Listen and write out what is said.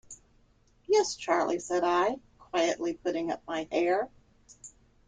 "Yes, Charley," said I, quietly putting up my hair.